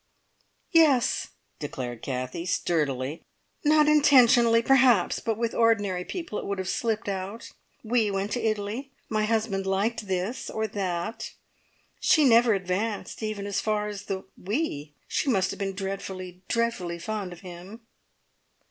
"Yes!" declared Kathie sturdily. "Not intentionally, perhaps, but with ordinary people it would have slipped out. `_We_ went to Italy. My husband liked this or that.' She never advanced even as far as the `we'. She must have been dreadfully, dreadfully fond of him!"